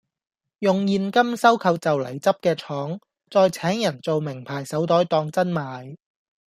用現金收購就黎執既廠，再請人造名牌手袋當真賣